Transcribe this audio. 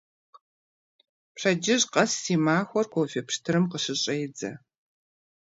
Пщэдджыжь къэс си махуэр кофе пщтырым къыщыщӏедзэ.